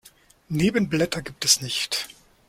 Nebenblätter gibt es nicht.